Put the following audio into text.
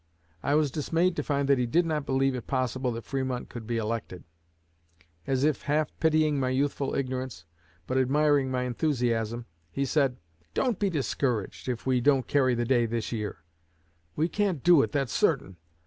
I was dismayed to find that he did not believe it possible that Fremont could be elected. As if half pitying my youthful ignorance, but admiring my enthusiasm, he said, 'Don't be discouraged if we don't carry the day this year. We can't do it, that's certain.